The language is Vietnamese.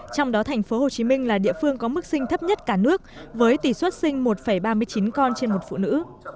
trong đó thành phố hồ chí minh là địa phương có mức sinh thấp nhất cả nước với tỷ xuất sinh một ba mươi chín con trên một phụ nữ